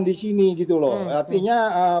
di sini gitu loh artinya